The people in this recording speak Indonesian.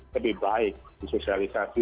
lebih baik disosialisasi